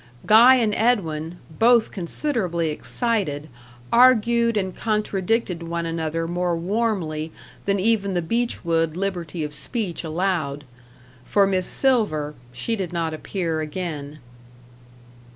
Guy and Edwin, both considerably excited, argued and contradicted one another more warmly than even the Beechwood liberty of speech allowed. For Miss Silver, she did not appear again.